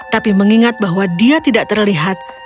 tapi mengingat bahwa dia tidak terlihat